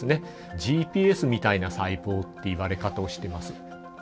ＧＰＳみたいな細胞って言われ方をしています。